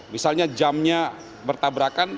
misalnya jamnya bertabrakan